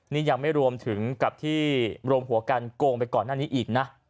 นี่ยังไม่รวมถึงกับที่รวมหัวกันโกงไปก่อนหน้านี้อีกนะ